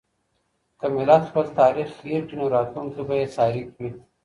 که ملت خپل تاريخ هېر کړي نو راتلونکی به يې تاريک وي.